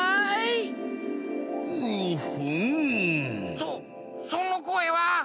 そそのこえは。